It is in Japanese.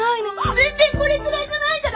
全然これくらいじゃないから。